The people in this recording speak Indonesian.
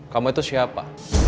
kamu itu siapa